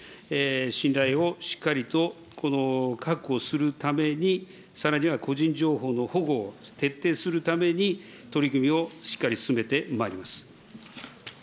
信頼をしっかりと、この確保するために、さらには個人情報の保護を徹底するために、取り組みをしっかり進めてまいります。